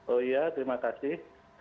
oh iya terima kasih